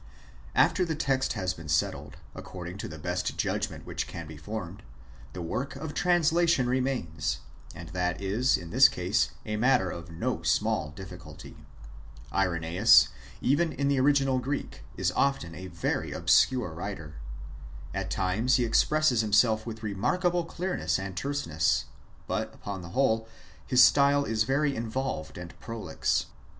After the text has been settled, according to the best judg ment which can be formed, the work of translation remains ; and that is, in this case, a matter of no small difficulty. Irenseus, even in the original Greek, is often a very obscure writer. At times he expresses himself with remarkable clear ness and terseness ; but, upon the whole, his style is very in volved and prolix.